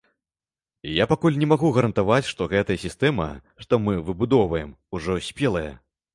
І я пакуль не магу гарантаваць, што гэтая сістэма, што мы выбудоўваем, ужо спелая.